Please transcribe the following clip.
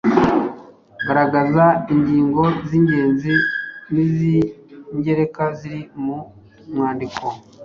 Garagaza ingingo z’ingenzi n’iz’ingereka ziri mu mwandiko.